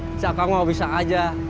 ah cakang mau bisa aja